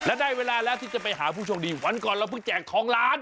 และได้เวลาแล้วที่จะไปหาผู้โชคดีวันก่อนเราเพิ่งแจกทองล้าน